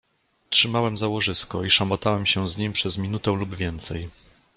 "Trzymałem za łożysko i szamotałem się z nim przez minutę lub więcej."